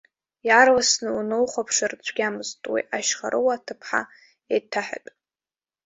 Иаарласны уналыхәаԥшыр цәгьамызт уи ашьхарыуа ҭыԥҳа еиҭаҳәатә!